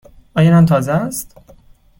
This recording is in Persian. آیا نان تازه است؟